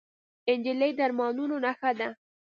نجلۍ د ارمانونو نښه ده.